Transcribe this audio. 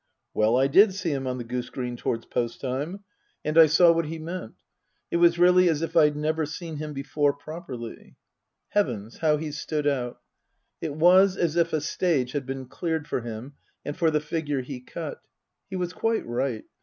Well, I did see him on the goose green towards post time, 218 Tasker Jevons and I saw what he meant. It was really as if I'd never seen him before properly. Heavens, how he stood out ! It was as if a stage had been cleared for him, and for the figure he cut. He was quite right.